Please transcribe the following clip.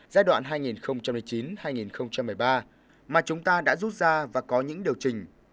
giai đoạn hai nghìn một mươi chín hai nghìn một mươi ba mà chúng ta đã rút ra và có những điều chỉnh